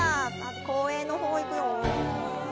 公園の方行くよ。